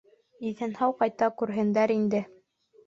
Иҫән-һау ҡайта күрһендәр инде.